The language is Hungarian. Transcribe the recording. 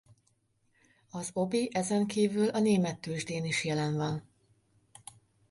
Az Obi ezen kívül a német tőzsdén is jelen van.